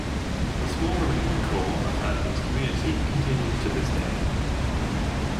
The small remaining core of Erdman's community continues to this day.